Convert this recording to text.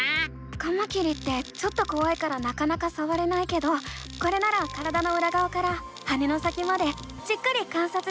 カマキリってちょっとこわいからなかなかさわれないけどこれなら体のうらがわから羽の先までじっくり観察できるね！